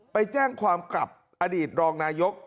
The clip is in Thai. ไปแจ้งความกลับอดีตรองนายก